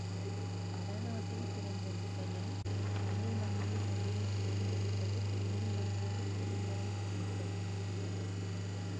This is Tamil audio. வட நாட்டில் பிறந்த விசயன் தமிழ் மண்ணில் பெண்ணைத் தேர்ந்தெடுத்தது தமிழ் மண்ணுக்குப் பெருமையைச் சேர்த்தது.